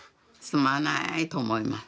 すまないと思います。